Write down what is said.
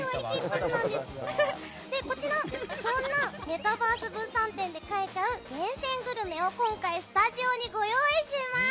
そんな「メタバース物産展」で買えちゃう厳選グルメを今回スタジオにご用意しました。